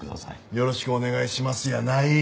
よろしくお願いしますやない！